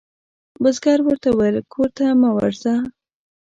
بزګر ورته وویل کور ته مه ورځه.